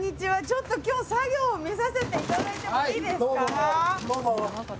ちょっと今日作業を見させて頂いてもいいですか？